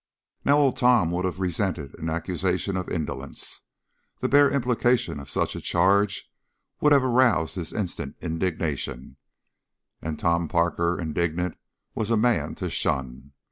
Now Old Tom would have resented an accusation of indolence; the bare implication of such a charge would have aroused his instant indignation, and Tom Parker indignant was a man to shun.